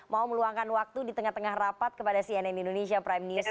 mau meluangkan waktu di tengah tengah rapat kepada cnn indonesia prime news